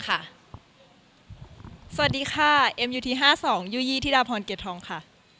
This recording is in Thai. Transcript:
ค่ะสวัสดีค่ะเอ็มยูทีห้าสองยูยี่ธิราพรเกรธรองค่ะ